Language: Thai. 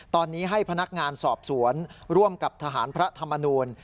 ตอนนี้ให้พนักงานสอบสวนร่วมกับทหารพระธรรมนูล